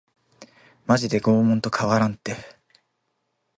マジで拷問と変わらんて